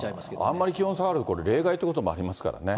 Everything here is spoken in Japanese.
あんまり気温下がるとこれ、冷害ということもありますからね。